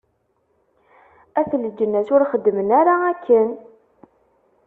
At leǧnas, ur xeddmen ara akken?